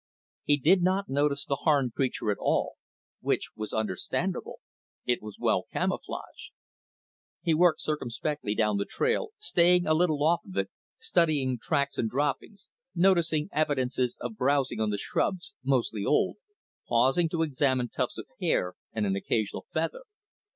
He did not notice the Harn creature at all which was understandable, it was well camouflaged. He worked circumspectly down the trail, staying a little off it, studying tracks and droppings, noticing evidences of browsing on the shrubs mostly old pausing to examine tufts of hair and an occasional feather.